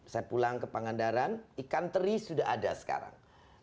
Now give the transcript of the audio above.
saya pulang ke pangandaran ikan teri sudah ada sekarang